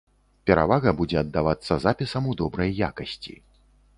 Перавага будзе аддавацца запісам у добрай якасці.